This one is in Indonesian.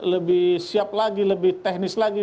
lebih siap lagi lebih teknis lagi